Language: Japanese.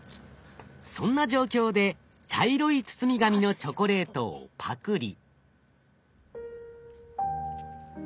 そんな状況で茶色い包み紙のチョコレートをパクリ。